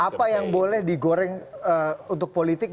apa yang boleh digoreng untuk politik